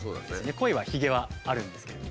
コイはヒゲはあるんですけれども。